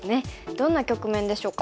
どんな局面でしょうか。